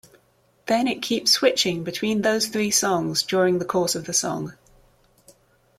Then it keeps switching between those three songs during the course of the song.